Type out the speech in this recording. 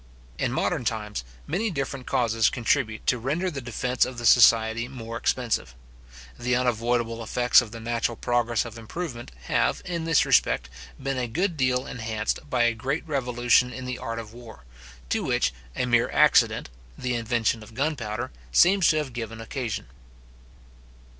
In modern times, many different causes contribute to render the defence of the society more expensive. The unavoidable effects of the natural progress of improvement have, in this respect, been a good deal enhanced by a great revolution in the art of war, to which a mere accident, the invention of gunpowder, seems to have given occasion.